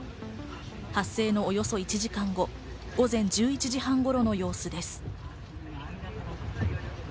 発生のおよそ１時間後、午前１１時半頃の様子です。